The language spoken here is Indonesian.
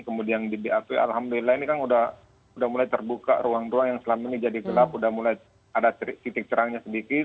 kemudian di bap alhamdulillah ini kan sudah mulai terbuka ruang ruang yang selama ini jadi gelap udah mulai ada titik terangnya sedikit